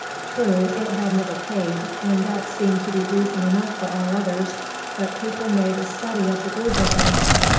True, it had never paid, and that seemed to be reason enough for all others, but Cooper made a study of the glue business.